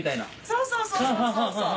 そうそうそうそう。